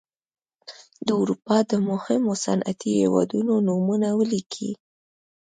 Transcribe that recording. د اروپا د مهمو صنعتي هېوادونو نومونه ولیکئ.